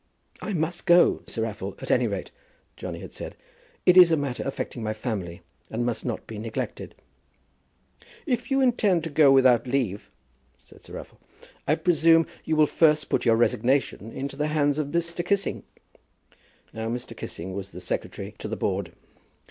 "I must go, Sir Raffle, at any rate," Johnny had said; "it is a matter affecting my family, and must not be neglected." "If you intend to go without leave," said Sir Raffle, "I presume you will first put your resignation into the hands of Mr. Kissing." Now, Mr. Kissing was the secretary to the Board.